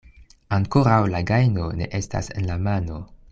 Ankoraŭ la gajno ne estas en la mano.